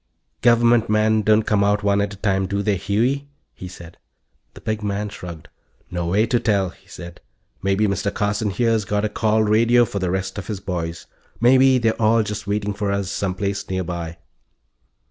"Government men don't come out one at a time, do they, Huey?" he said. The big man shrugged. "No way to tell," he said. "Maybe Mr. Carson here's got a call radio for the rest of his boys. Maybe they're all just waiting for us, some place nearby."